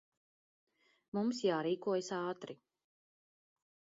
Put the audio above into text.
Mums jārīkojas ātri.